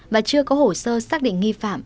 và chưa có hổ sơ xác định nghi phạm